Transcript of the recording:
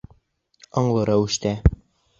Аңлы рәүештә.